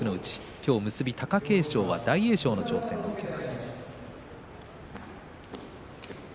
今日、結び貴景勝は大栄翔の挑戦を受けます。